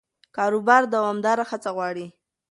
کاروبار دوامداره هڅه غواړي.